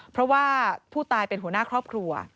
เพราะว่าผู้ตายเป็นหัวหน้าครอบครัว